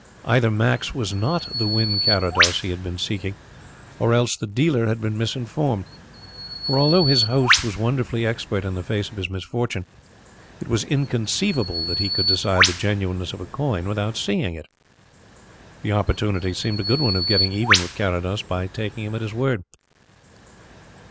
Either Max was not the Wynn Carrados he had been seeking or else the dealer had been misinformed; for although his host was wonderfully expert in the face of his misfortune, it was inconceivable that he could decide the genuineness of a coin without seeing it. The opportunity seemed a good one of getting even with Carrados by taking him at his word.